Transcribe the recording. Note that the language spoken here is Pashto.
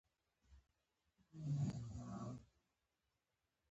د سمې لارې ته نه سیخېږي.